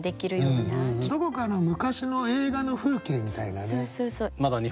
どこかの昔の映画の風景みたいなね。